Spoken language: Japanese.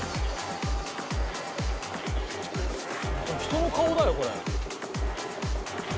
人の顔だよこれ。